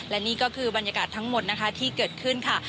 และนี่ก็คือบรรยากาศทั้งหมดนะคะที่เกิดขึ้นค่ะ